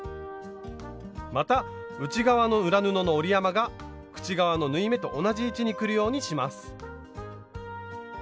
また内側の裏布の折り山が口側の縫い目と同じ位置にくるようにします。